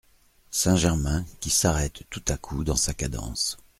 Saint-Germain, qui s’arrête tout à coup dans sa cadence.